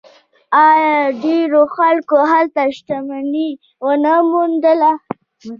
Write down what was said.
آیا ډیرو خلکو هلته شتمني ونه موندله؟